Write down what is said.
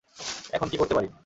এখন কী করতে পারি।